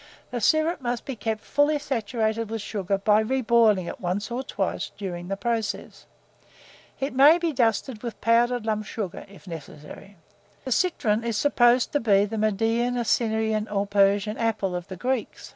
The syrup must be kept fully saturated with sugar by reboiling it once or twice during the process. It may be dusted with powdered lump sugar, if necessary. The citron is supposed to be the Median, Assyrian, or Persian apple of the Greeks.